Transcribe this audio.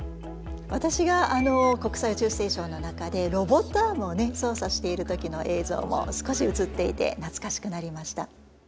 わたしが国際宇宙ステーションの中でロボットアームを操作している時の映像も少し映っていて懐かしくなりました。